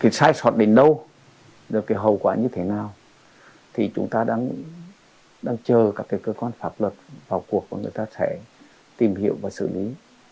cái sai soạn đến đâu được cái hậu quả như thế nào thì chúng ta đang chờ các cái cơ quan pháp luật vào cuộc và người ta sẽ tìm hiểu và xử lý